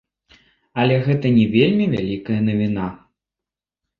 Але гэта не вельмі вялікая навіна.